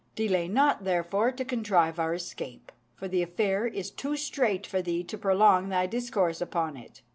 Delay not, therefore, to contrive our escape, for the affair is too strait for thee to prolong thy discourse upon it."